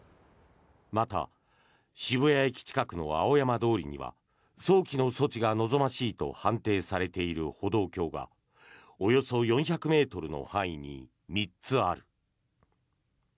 また、渋谷駅近くの青山通りには早期の措置が望ましいと判定されている歩道橋がおよそ４００ｍの範囲に３つある。